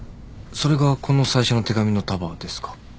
それがこの最初の手紙の束ですか？